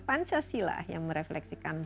pancasila yang merefleksikan